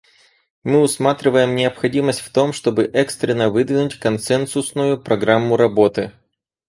Мы усматриваем необходимость в том, чтобы экстренно выдвинуть консенсусную программу работы.